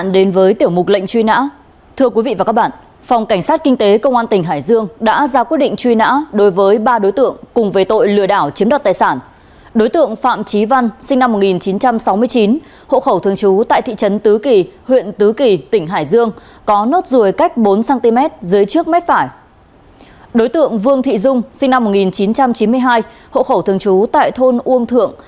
đối tượng vương thị dung sinh năm một nghìn chín trăm chín mươi hai hộ khẩu thường trú tại thôn uông thượng